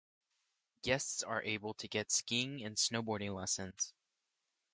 Guests are able to get skiing and snowboarding lessons.